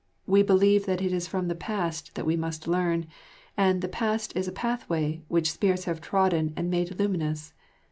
We believe that it is from the past that we must learn, and "the past is a pathway which spirits have trodden and made luminous."